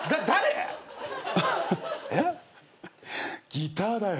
ギターだよ。